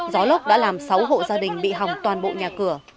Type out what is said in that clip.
gió lốc đã làm sáu hộ gia đình bị hỏng toàn bộ nhà cửa